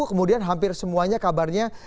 kemudian hampir semuanya kabarnya